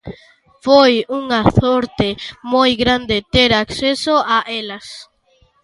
Foi unha sorte moi grande ter acceso a elas.